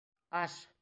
Аш!